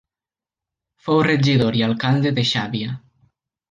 Fou regidor i alcalde de Xàbia.